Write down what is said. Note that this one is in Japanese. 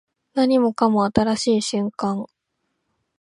何もかも新しい瞬間